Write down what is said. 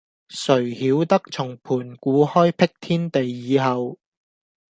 誰曉得從盤古開闢天地以後，